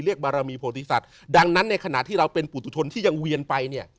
บารมีโพธิสัตว์ดังนั้นในขณะที่เราเป็นปุตุทนที่ยังเวียนไปเนี่ย